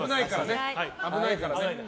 危ないからね。